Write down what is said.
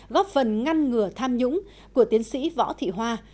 góp phần ngăn ngừa tham nhũng của tiến sĩ võ thị hoa